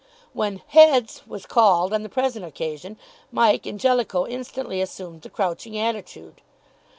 When "Heads!" was called on the present occasion, Mike and Jellicoe instantly assumed the crouching attitude.